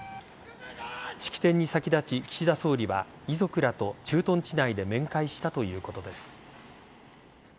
式典に先立ち、岸田総理は遺族らと駐屯地内で面会したということです。